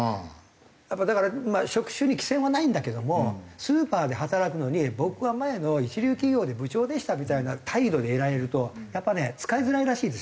やっぱりだから職種に貴賤はないんだけどもスーパーで働くのに僕は前の一流企業で部長でしたみたいな態度でいられるとやっぱね使いづらいらしいですよ。